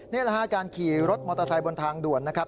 เนื้อรหาการขี่รถมอเตอร์ไซค์บนทางด่วนนะครับ